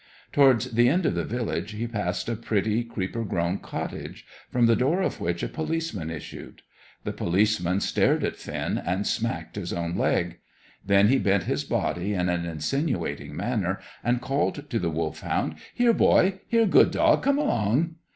Towards the end of the village he passed a pretty, creeper grown cottage, from the door of which a policeman issued. The policeman stared at Finn, and smacked his own leg. Then he bent his body in an insinuating manner and called to the Wolfhound: "Here, boy! Here, good dog! Come along!"